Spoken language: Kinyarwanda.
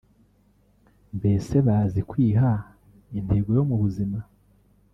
mbese bazi kwiha intego mu buzima”